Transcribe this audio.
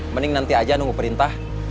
mending nanti aja nunggu perintah